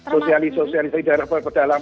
sosialisasi daerah berpedalaman